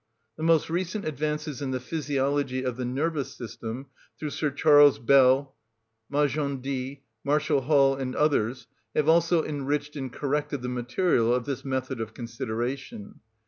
The most recent advances in the physiology of the nervous system, through Sir Charles Bell, Magendie, Marshall Hall, and others, have also enriched and corrected the material of this method of consideration.